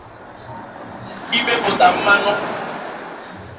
imepụta mmanụ